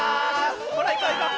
ほらいこういこう。